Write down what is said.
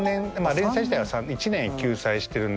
連載自体は１年休載してるんで。